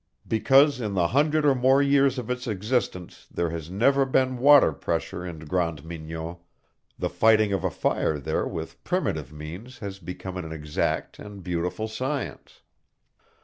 Because in the hundred or more years of its existence there has never been water pressure in Grande Mignon, the fighting of a fire there with primitive means has become an exact and beautiful science.